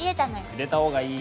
入れた方がいい。